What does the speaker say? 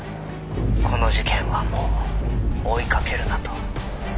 「“この事件はもう追いかけるな”と」